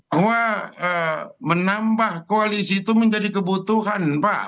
bahwa menambah koalisi itu menjadi kebutuhan pak